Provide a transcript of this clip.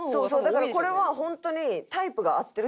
だからこれはホントに。